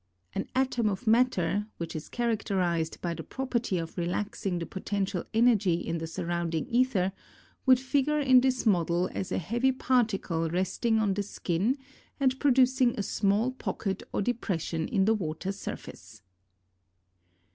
An atom of matter, which is characterized by the property of relaxing the potential energy in the surrounding aether, would figure in this model as a heavy particle resting on the skin and producing a small pocket or depression in the water surface.